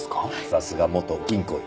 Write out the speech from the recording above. さすが元銀行員。